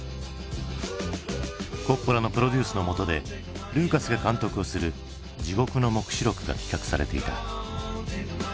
コッポラのプロデュースのもとでルーカスが監督をする「地獄の黙示録」が企画されていた。